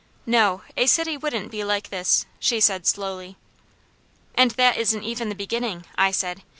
"No, a city wouldn't be like this," she said slowly. "And that isn't even the beginning," I said.